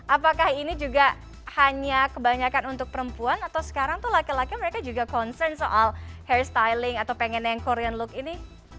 apakah ini juga hanya kebanyakan untuk perempuan atau sekarang tuh laki laki mereka juga concern soal hair styling atau pengen yang korean look ini